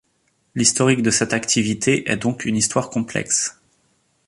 L'historique de cette activité est donc une histoire complexe.